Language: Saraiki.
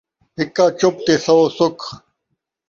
ہکا چپ تے سو سکھ